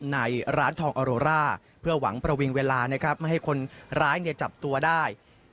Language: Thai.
ในร้านทองออโรร่าเพื่อหวังประวิงเวลานะครับไม่ให้คนร้ายจับตัวได้